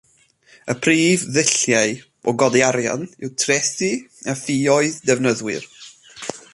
Y prif ddulliau o godi arian yw trethi a ffioedd defnyddwyr.